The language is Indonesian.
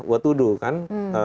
gue tuduh kan